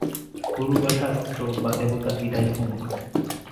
গুরু বা শাস্ত্র বা দেবতা বিদায় হউন।